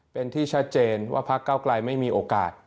เป็นที่ชัดเจนว่าพักเก้าไกลไม่มีโอกาส